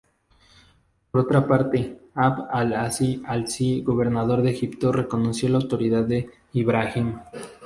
Por otra parte, Abd al-Aziz al-Azdi, gobernador de Egipto, reconoció la autoridad de Ibrahim.